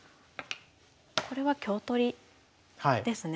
これは香取りですね。